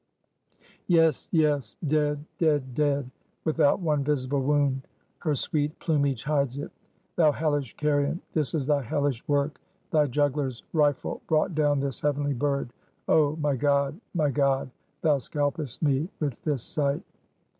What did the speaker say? "Yes! Yes! Dead! Dead! Dead! without one visible wound her sweet plumage hides it. Thou hellish carrion, this is thy hellish work! Thy juggler's rifle brought down this heavenly bird! Oh, my God, my God! Thou scalpest me with this sight!"